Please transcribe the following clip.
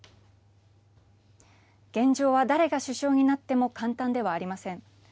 現状は誰が首相になっても簡単ではありません。